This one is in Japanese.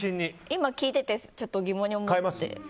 今、聞いててちょっと疑問に思ってて。